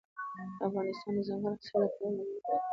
افغانستان د دځنګل حاصلات له پلوه له نورو هېوادونو سره اړیکې لري.